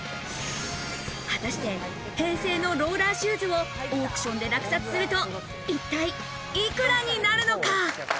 果たして、平成のローラーシューズをオークションで落札すると、一体幾らになるのか？